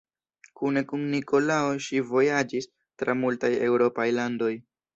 Kune kun Nikolao ŝi vojaĝis tra multaj eŭropaj landoj.